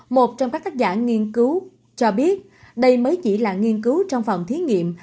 một trong các tác giả nghiên cứu cho biết đây mới chỉ là nghiên cứu trong phòng thí nghiệm